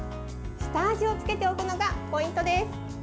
下味をつけておくのがポイントです。